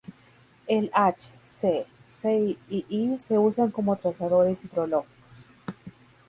El H, C, Cl y I se usan como trazadores hidrológicos.